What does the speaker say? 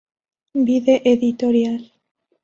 Vide Editorial.